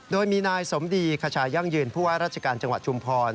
โดยมีนายสมดีขชายั่งยืนผู้ว่าราชการจังหวัดชุมพร